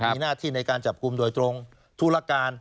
มีหน้าที่ในการจับกลุ่มโดยตรงธุรการ